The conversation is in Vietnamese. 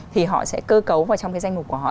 thì họ sẽ cơ cấu vào trong cái danh mục của họ